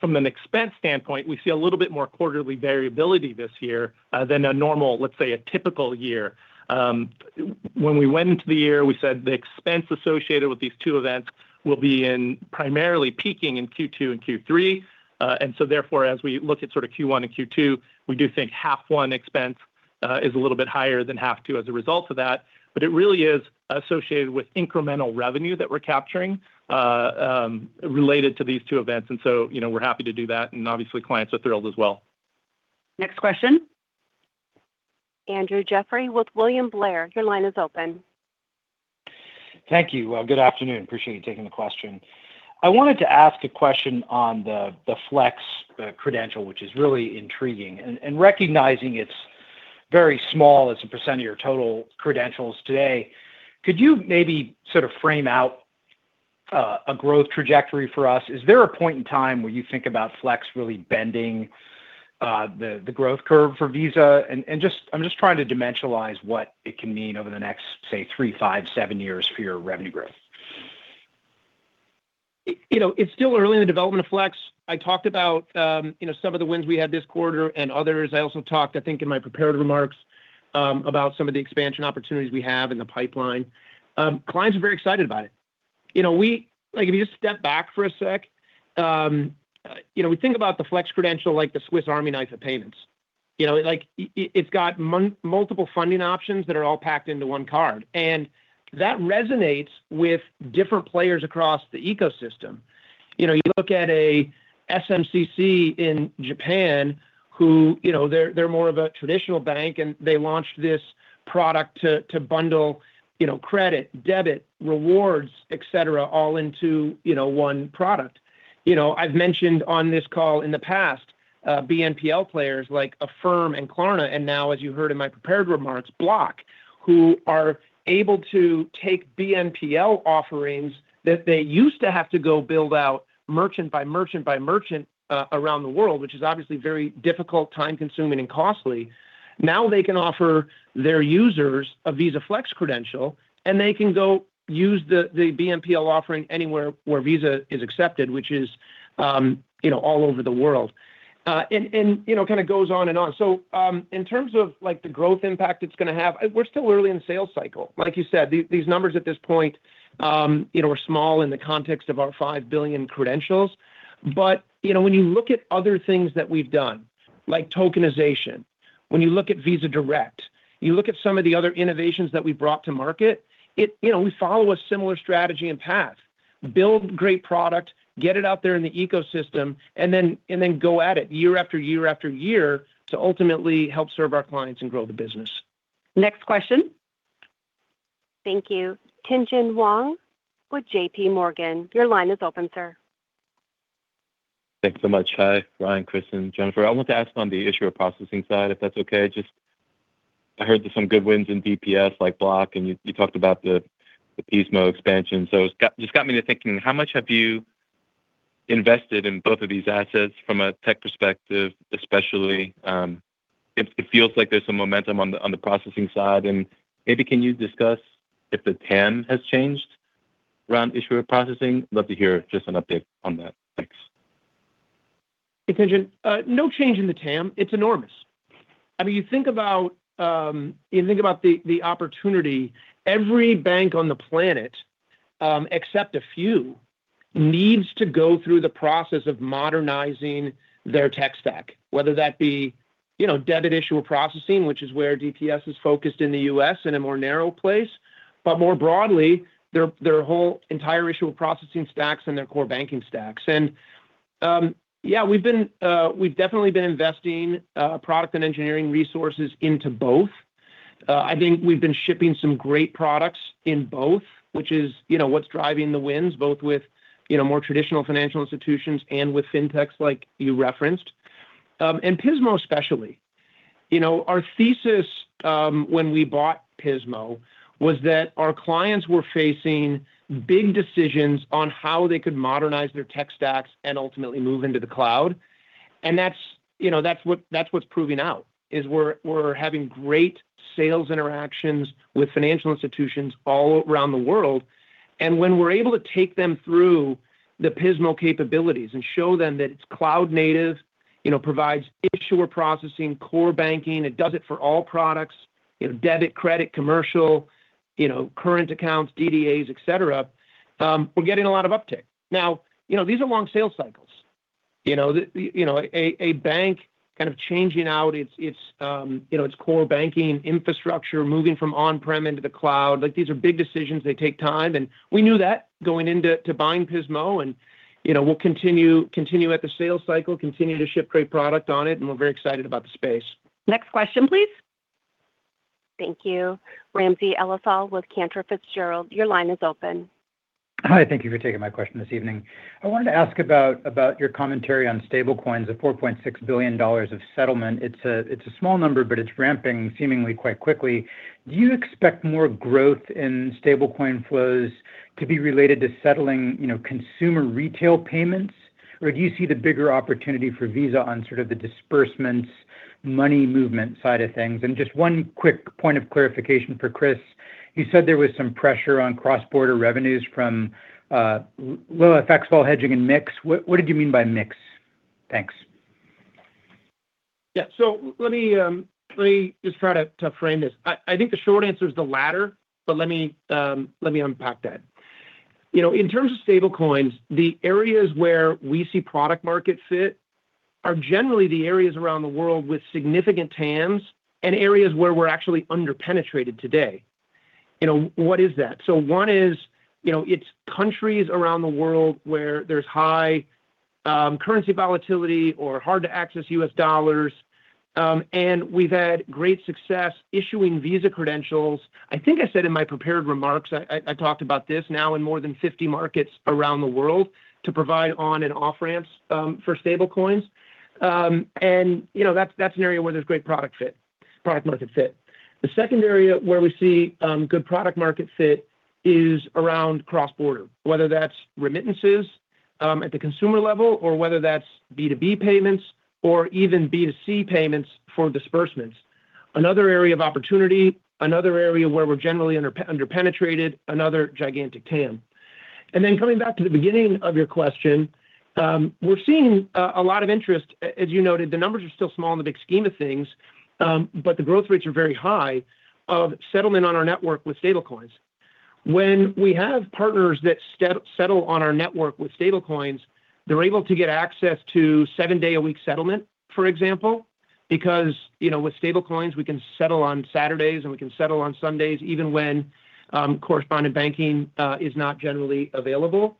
from an expense standpoint, we see a little bit more quarterly variability this year than a normal, let's say, a typical year. When we went into the year, we said the expense associated with these 2 events will be primarily peaking in Q2 and Q3. And so therefore, as we look at sort of Q1 and Q2, we do think half one expense is a little bit higher than half two as a result of that, but it really is associated with incremental revenue that we're capturing related to these two events. And so we're happy to do that, and obviously, clients are thrilled as well. Next question. Andrew Jeffrey with William Blair. Your line is open. Thank you. Well, good afternoon. Appreciate you taking the question. I wanted to ask a question on the Flex credential, which is really intriguing. And recognizing it's very small as a % of your total credentials today, could you maybe sort of frame out a growth trajectory for us? Is there a point in time where you think about Flex really bending the growth curve for Visa? I'm just trying to dimensionalize what it can mean over the next, say, 3, 5, 7 years for your revenue growth. It's still early in the development of Flex. I talked about some of the wins we had this quarter and others. I also talked, I think, in my prepared remarks about some of the expansion opportunities we have in the pipeline. Clients are very excited about it. If you just step back for a sec, we think about the Flex credential like the Swiss Army knife of payments. It's got multiple funding options that are all packed into 1 card, and that resonates with different players across the ecosystem. You look at an SMCC in Japan, who they're more of a traditional bank, and they launched this product to bundle credit, debit, rewards, etc., all into 1 product. I've mentioned on this call in the past BNPL players like Affirm and Klarna, and now, as you heard in my prepared remarks, Block, who are able to take BNPL offerings that they used to have to go build out merchant by merchant by merchant around the world, which is obviously very difficult, time-consuming, and costly. Now they can offer their users a Visa Flex credential, and they can go use the BNPL offering anywhere where Visa is accepted, which is all over the world, and kind of goes on and on. In terms of the growth impact it's going to have, we're still early in the sales cycle. Like you said, these numbers at this point are small in the context of our 5 billion credentials. But when you look at other things that we've done, like tokenization, when you look at Visa Direct, you look at some of the other innovations that we brought to market, we follow a similar strategy and path: build great product, get it out there in the ecosystem, and then go at it year after year after year to ultimately help serve our clients and grow the business. Next question. Thank you. Tien-tsin Huang with JPMorgan. Your line is open, sir. Thanks so much. Hi, Ryan, Chris, and Jennifer. I wanted to ask on the issuer processing side, if that's okay. I heard there's some good wins in DPS like Block, and you talked about the Pismo expansion. So it just got me to thinking, how much have you invested in both of these assets from a tech perspective, especially? It feels like there's some momentum on the processing side, and maybe can you discuss if the TAM has changed around issuer processing? Love to hear just an update on that. Thanks. Hey, Tien-tsin, no change in the TAM. It's enormous. I mean, you think about you think about the opportunity. Every bank on the planet, except a few, needs to go through the process of modernizing their tech stack, whether that be debit issuer processing, which is where DPS is focused in the U.S. in a more narrow place, but more broadly, their whole entire issuer processing stacks and their core banking stacks. And yeah, we've definitely been investing product and engineering resources into both. I think we've been shipping some great products in both, which is what's driving the wins, both with more traditional financial institutions and with fintechs like you referenced, and Pismo especially. Our thesis when we bought Pismo was that our clients were facing big decisions on how they could modernize their tech stacks and ultimately move into the cloud. And that's what's proving out, is we're having great sales interactions with financial institutions all around the world. And when we're able to take them through the Pismo capabilities and show them that it's cloud-native, provides issuer processing, core banking, it does it for all products, debit, credit, commercial, current accounts, DDAs, etc., we're getting a lot of uptake. Now, these are long sales cycles. A bank kind of changing out its core banking infrastructure, moving from on-prem into the cloud, these are big decisions. They take time. And we knew that going into buying Pismo, and we'll continue at the sales cycle, continue to ship great product on it, and we're very excited about the space. Next question, please. Thank you. Ramsey El-Assal with Cantor Fitzgerald. Your line is open. Hi. Thank you for taking my question this evening. I wanted to ask about your commentary on stablecoins, the $4.6 billion of settlement. It's a small number, but it's ramping seemingly quite quickly. Do you expect more growth in stablecoin flows to be related to settling consumer retail payments, or do you see the bigger opportunity for Visa on sort of the disbursements, money movement side of things? Just one quick point of clarification for Chris, you said there was some pressure on cross-border revenues from, well hedging and mix. What did you mean by mix? Thanks. Yeah. Let me just try to frame this. I think the short answer is the latter, but let me unpack that. In terms of stablecoins, the areas where we see product market fit are generally the areas around the world with significant TAMs and areas where we're actually underpenetrated today. What is that? So one is it's countries around the world where there's high currency volatility or hard to access U.S. dollars, and we've had great success issuing Visa credentials. I think I said in my prepared remarks, I talked about this now in more than 50 markets around the world to provide on and off-ramps for stablecoins. And that's an area where there's great product market fit. The second area where we see good product market fit is around cross-border, whether that's remittances at the consumer level or whether that's B2B payments or even B2C payments for disbursements. Another area of opportunity, another area where we're generally underpenetrated, another gigantic TAM. Coming back to the beginning of your question, we're seeing a lot of interest. As you noted, the numbers are still small in the big scheme of things, but the growth rates are very high of settlement on our network with stablecoins. When we have partners that settle on our network with stablecoins, they're able to get access to seven-day-a-week settlement, for example, because with stablecoins, we can settle on Saturdays, and we can settle on Sundays even when correspondent banking is not generally available.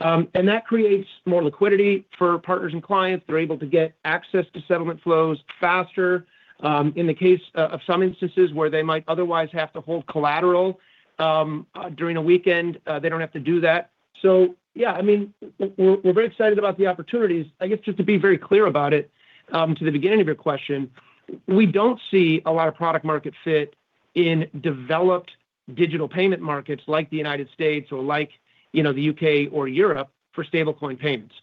And that creates more liquidity for partners and clients. They're able to get access to settlement flows faster. In the case of some instances where they might otherwise have to hold collateral during a weekend, they don't have to do that. So yeah, I mean, we're very excited about the opportunities. I guess just to be very clear about it, to the beginning of your question, we don't see a lot of product market fit in developed digital payment markets like the United States or like the U.K. or Europe for stablecoin payments.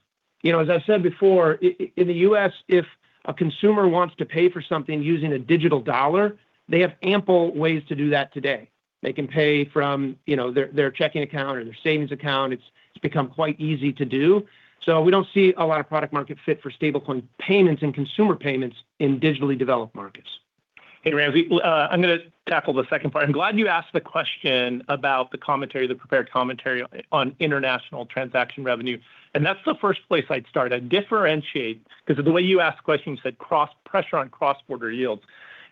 As I've said before, in the U.S., if a consumer wants to pay for something using a digital dollar, they have ample ways to do that today. They can pay from their checking account or their savings account. It's become quite easy to do. So we don't see a lot of product market fit for stablecoin payments and consumer payments in digitally developed markets. Hey, Ramsey. I'm going to tackle the second part. I'm glad you asked the question about the commentary, the prepared commentary on international transaction revenue. And that's the first place I'd start. I'd differentiate because of the way you asked the question, you said pressure on cross-border yields.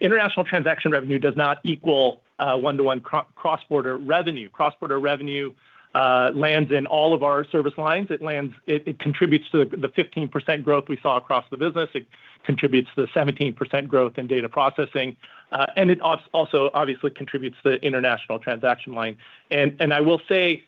International transaction revenue does not equal one-to-one cross-border revenue. Cross-border revenue lands in all of our service lines. It contributes to the 15% growth we saw across the business. It contributes to the 17% growth in data processing. It also, obviously, contributes to the international transaction line. I will say,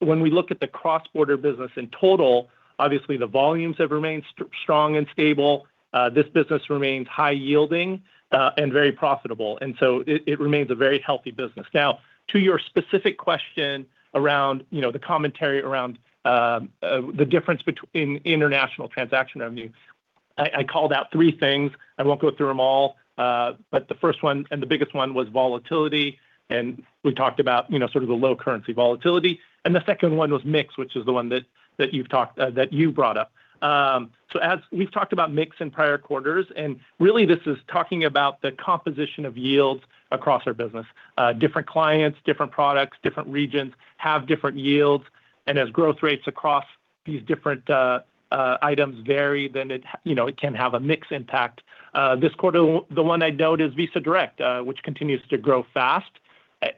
when we look at the cross-border business in total, obviously, the volumes have remained strong and stable. This business remains high-yielding and very profitable. So it remains a very healthy business. Now, to your specific question around the commentary around the difference in international transaction revenue, I called out three things. I won't go through them all, but the first one and the biggest one was volatility. We talked about sort of the low-currency volatility. The second one was mix, which is the one that you brought up. So we've talked about mix in prior quarters. And really, this is talking about the composition of yields across our business. Different clients, different products, different regions have different yields. And as growth rates across these different items vary, then it can have a mixed impact. This quarter, the one I'd note is Visa Direct, which continues to grow fast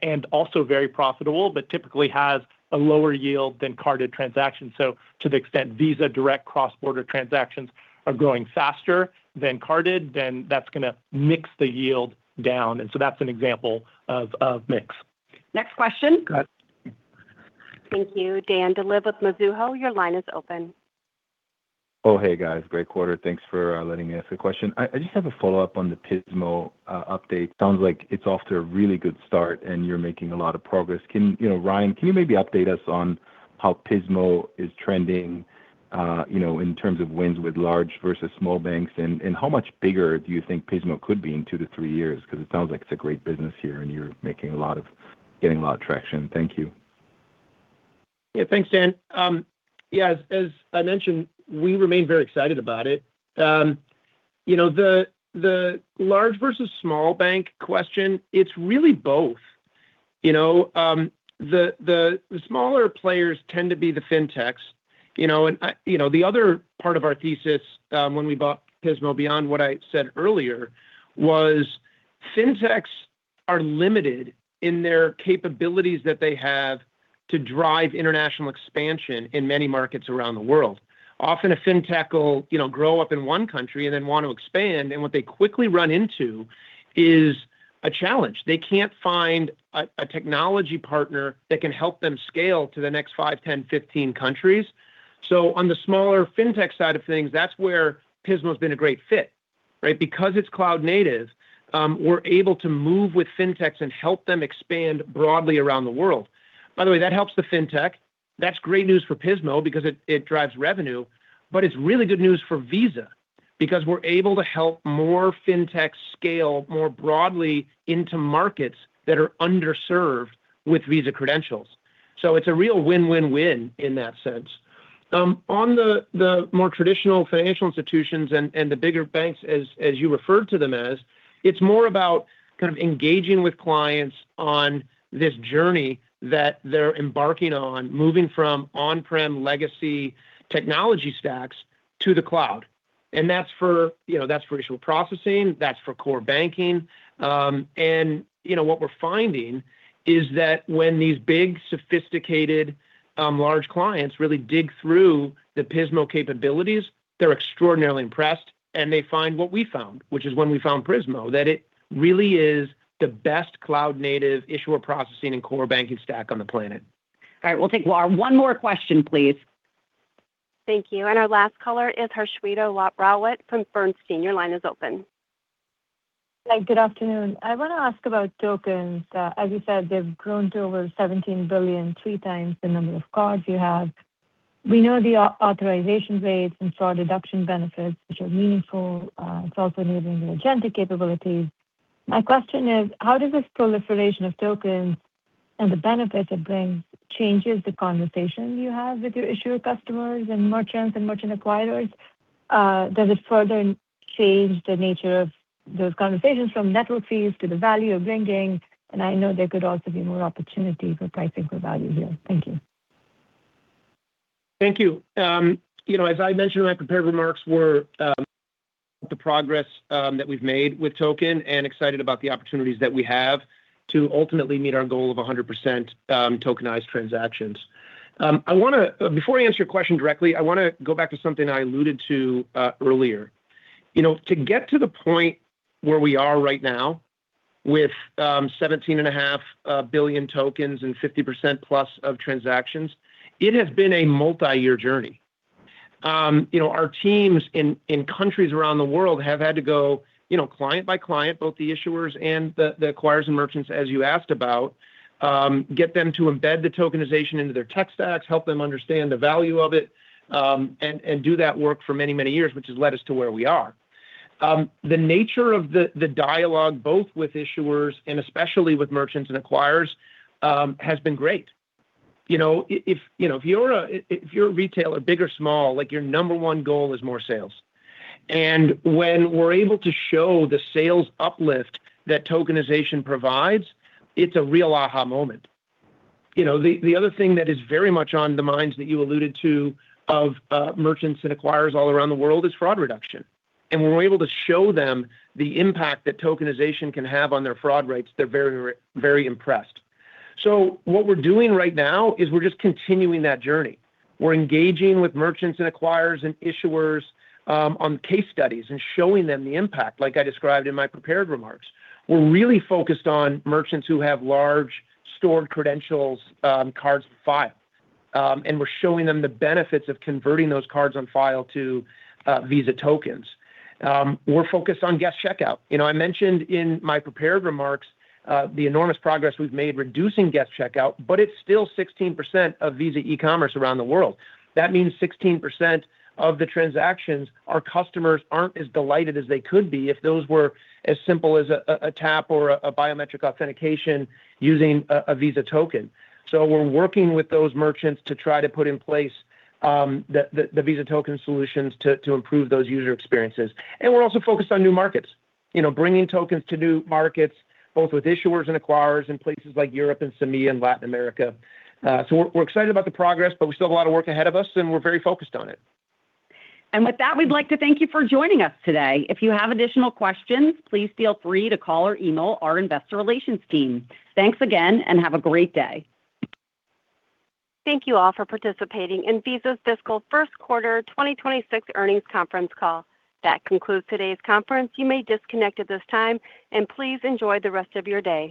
and also very profitable, but typically has a lower yield than carded transactions. So to the extent Visa Direct cross-border transactions are growing faster than carded, then that's going to mix the yield down. And so that's an example of mix. Next question. Thank you. Dan Dolev with Mizuho, your line is open. Oh, hey, guys. Great quarter. Thanks for letting me ask a question. I just have a follow-up on the Pismo update. Sounds like it's off to a really good start, and you're making a lot of progress. Ryan, can you maybe update us on how Pismo is trending in terms of wins with large versus small banks? And how much bigger do you think Pismo could be in two to three years? Because it sounds like it's a great business here, and you're making a lot of getting a lot of traction. Thank you. Yeah. Thanks, Dan. Yeah. As I mentioned, we remain very excited about it. The large versus small bank question, it's really both. The smaller players tend to be the fintechs. And the other part of our thesis when we bought Pismo, beyond what I said earlier, was fintechs are limited in their capabilities that they have to drive international expansion in many markets around the world. Often, a fintech will grow up in one country and then want to expand. What they quickly run into is a challenge. They can't find a technology partner that can help them scale to the next 5, 10, 15 countries. On the smaller fintech side of things, that's where Pismo has been a great fit, right? Because it's cloud-native, we're able to move with fintechs and help them expand broadly around the world. By the way, that helps the fintech. That's great news for Pismo because it drives revenue. It's really good news for Visa because we're able to help more fintechs scale more broadly into markets that are underserved with Visa credentials. It's a real win-win-win in that sense. On the more traditional financial institutions and the bigger banks, as you referred to them as, it's more about kind of engaging with clients on this journey that they're embarking on, moving from on-prem legacy technology stacks to the cloud. And that's for issuer processing. That's for core banking. And what we're finding is that when these big, sophisticated, large clients really dig through the Pismo capabilities, they're extraordinarily impressed. And they find what we found, which is when we found Pismo, that it really is the best cloud-native issuer processing and core banking stack on the planet. All right. We'll take one more question, please. Thank you. And our last caller is Harshita Rawat from Bernstein. Your line is open. Hi. Good afternoon. I want to ask about tokens. As you said, they've grown to over 17 billion, 3x the number of cards you have. We know the authorization rates and fraud reduction benefits, which are meaningful. It's also enabling the agenda capabilities. My question is, how does this proliferation of tokens and the benefits it brings change the conversation you have with your issuer customers and merchants and merchant acquirers? Does it further change the nature of those conversations from network fees to the value of lending? And I know there could also be more opportunity for pricing for value here. Thank you. Thank you. As I mentioned in my prepared remarks, we're proud of the progress that we've made with token and excited about the opportunities that we have to ultimately meet our goal of 100% tokenized transactions. Before I answer your question directly, I want to go back to something I alluded to earlier. To get to the point where we are right now with 17.5 billion tokens and 50%+ of transactions, it has been a multi-year journey. Our teams in countries around the world have had to go client by client, both the issuers and the acquirers and merchants, as you asked about, get them to embed the tokenization into their tech stacks, help them understand the value of it, and do that work for many, many years, which has led us to where we are. The nature of the dialogue, both with issuers and especially with merchants and acquirers, has been great. If you're a retailer, big or small, your number one goal is more sales. When we're able to show the sales uplift that tokenization provides, it's a real aha moment. The other thing that is very much on the minds that you alluded to of merchants and acquirers all around the world is fraud reduction. When we're able to show them the impact that tokenization can have on their fraud rates, they're very, very impressed. What we're doing right now is we're just continuing that journey. We're engaging with merchants and acquirers and issuers on case studies and showing them the impact, like I described in my prepared remarks. We're really focused on merchants who have large stored credentials, cards on file. We're showing them the benefits of converting those cards on file to Visa tokens. We're focused on guest checkout. I mentioned in my prepared remarks the enormous progress we've made reducing guest checkout, but it's still 16% of Visa e-commerce around the world. That means 16% of the transactions our customers aren't as delighted as they could be if those were as simple as a tap or a biometric authentication using a Visa token. So we're working with those merchants to try to put in place the Visa token solutions to improve those user experiences. And we're also focused on new markets, bringing tokens to new markets, both with issuers and acquirers in places like Europe and CEMEA and Latin America. So we're excited about the progress, but we still have a lot of work ahead of us, and we're very focused on it. And with that, we'd like to thank you for joining us today. If you have additional questions, please feel free to call or email our Investor Relations team. Thanks again, and have a great day. Thank you all for participating in Visa's Fiscal First Quarter 2026 Earnings Conference Call. That concludes today's conference. You may disconnect at this time, and please enjoy the rest of your day.